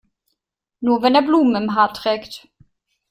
Nur wenn er Blumen im Haar trägt.